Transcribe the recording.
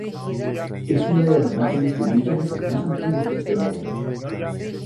Es una de las imágenes de vírgenes más antiguas de Extremadura.